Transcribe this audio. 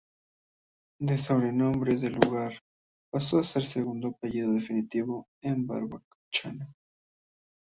De sobrenombre del lugar, pasó a ser el segundo apellido distintivo de los Barbachano.